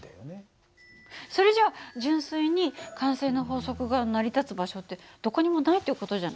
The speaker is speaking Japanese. それじゃ純粋に慣性の法則が成り立つ場所ってどこにもないっていう事じゃない。